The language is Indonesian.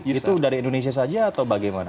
itu dari indonesia saja atau bagaimana